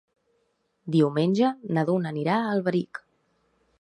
Diumenge na Duna anirà a Alberic.